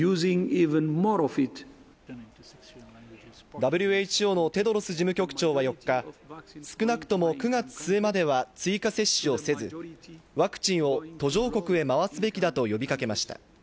ＷＨＯのテドロス事務局長は４日、少なくとも９月末までは追加接種をせず、ワクチンを途上国へ回すべきだと呼びかけました。